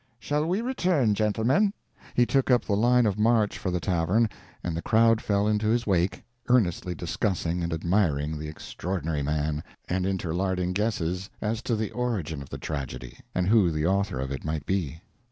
Shall we return, gentlemen?" He took up the line of march for the tavern, and the crowd fell into his wake, earnestly discussing and admiring the Extraordinary Man, and interlarding guesses as to the origin of the tragedy and who the author of it might he.